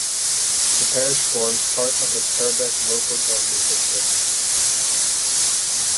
The parish forms part of the Purbeck local government district.